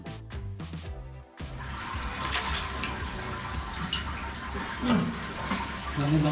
bangun banget susu bang